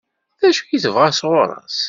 D acu i tebɣa sɣur-s?